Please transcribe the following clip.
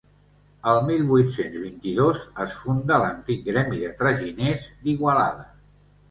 El mil vuit-cents vint-i-dos es funda l'antic Gremi de Traginers d'Igualada.